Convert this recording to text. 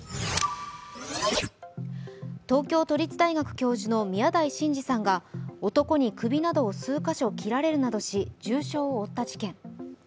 東京都立大教授の宮台真司さんが男に首などを数か所切られるなどし重傷を負った事件。